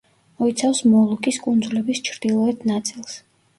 მოიცავს მოლუკის კუნძულების ჩრდილოეთ ნაწილს.